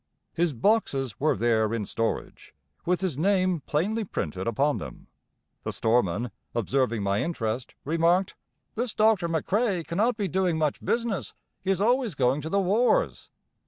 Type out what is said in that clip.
His boxes were there in storage, with his name plainly printed upon them. The storeman, observing my interest, remarked: "This Doctor McCrae cannot be doing much business; he is always going to the wars."